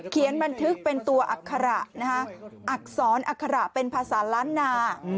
บันทึกเป็นตัวอัคระอักษรอัคระเป็นภาษาล้านนา